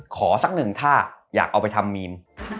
สักหนึ่งถ้าอยากเอาไปทำมีม